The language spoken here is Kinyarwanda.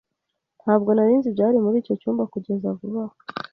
Ntabwo nari nzi ibyari muri icyo cyumba kugeza vuba aha.